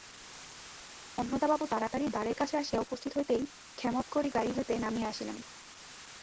অন্নদাবাবু তাড়াতাড়ি দ্বারের কাছে আসিয়া উপস্থিত হইতেই ক্ষেমংকরী গাড়ি হইতে নামিয়া আসিলেন।